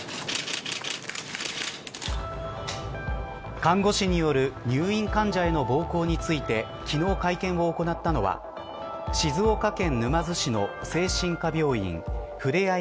看護師による入院患者への暴行について昨日、会見を行ったのは静岡県沼津市の精神科病院ふれあい